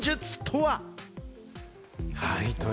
はい。